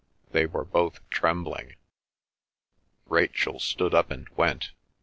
They were both trembling. Rachel stood up and went.